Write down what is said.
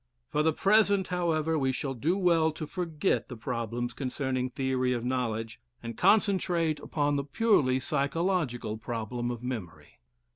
For the present, however, we shall do well to forget the problems concerning theory of knowledge, and concentrate upon the purely psychological problem of memory.